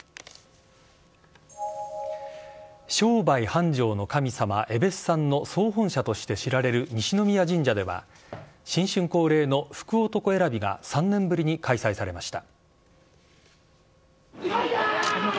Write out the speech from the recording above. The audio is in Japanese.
商売繁盛の神様、えべっさんの総本社として知られる西宮神社では、新春恒例の福男選びが３年ぶりに開催されました。